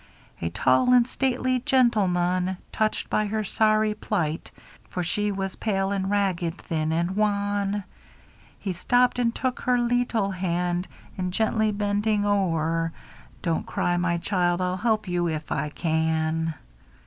A tall and stately gentlemun, touched by her sorry plight. For she was pale and ragged, thin and wan. He stopped and took her lit tull hand, and gently bending o'er, * Don't cry, my child, I'll help you if I can.'